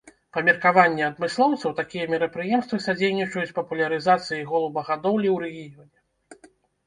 Па меркаванні адмыслоўцаў, такія мерапрыемствы садзейнічаюць папулярызацыі голубагадоўлі ў рэгіёне.